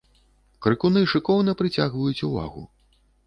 Крыкуны шыкоўна прыцягваюць увагу.